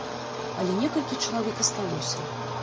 Але некалькі чалавек асталося.